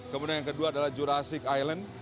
kemudian yang kedua adalah jurasik island